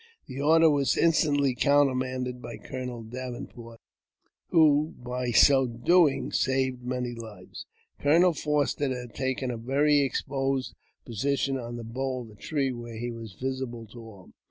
The order was instantly countermanded by Colonel Davenport, who, by so doing, saved many lives. Colonel Foster had taken a very exposed position on the bough of a tree, where he was visible to all.